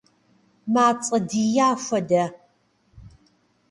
Мацӏэ дия хуэдэ.